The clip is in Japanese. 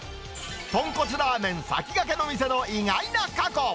とんこつラーメン先駆けの店の意外な過去。